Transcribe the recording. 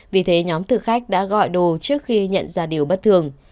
vì thế nhóm thực khách đã gọi đồ trước khi nhận ra điều bất thường